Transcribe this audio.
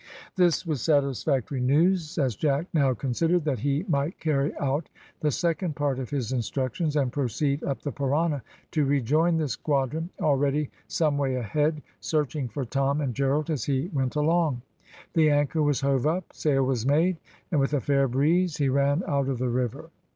This was satisfactory news, as Jack now considered that he might carry out the second part of his instructions and proceed up the Parana, to rejoin the squadron already some way ahead, searching for Tom and Gerald as he went along. The anchor was hove up, sail was made, and with a fair breeze he ran out of the river.